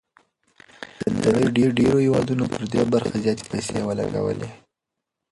د نړۍ ډېرو هېوادونو پر دې برخه زياتې پيسې ولګولې.